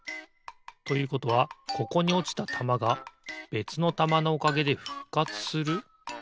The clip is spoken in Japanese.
ということはここにおちたたまがべつのたまのおかげでふっかつする？